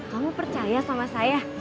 kamu percaya sama saya